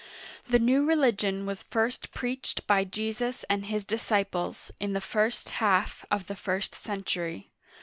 The new religion was first preached by Jesus and his dis ciples in the first half of the first century.